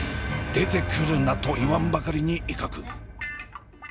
「出てくるな！」と言わんばかりに威嚇。